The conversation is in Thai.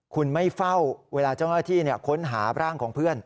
คุณไม่เฝ้าเวลาเจ้าหน้าที่ค้นหาร่างของเพื่อน